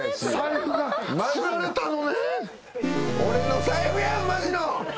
俺の財布やんマジの！